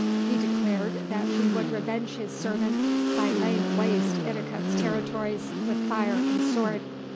He declared that he would revenge his servant by laying waste Idikut's territories with fire and sword.